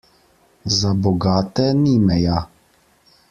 Za bogate ni meja.